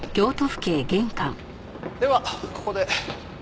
ではここで。